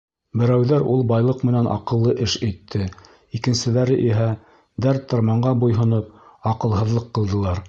Берәүҙәр ул байлыҡ менән аҡыллы эш итте, икенселәре иһә, дәрт-дарманға буйһоноп, аҡылһыҙлыҡ ҡылдылар.